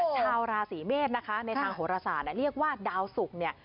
ชาวลาสีเมษในทางโฮราศาสตร์เรียกว่าดาวศุกร์